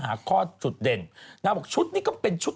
หาข้อจุดเด่นนางบอกชุดนี้ก็เป็นชุด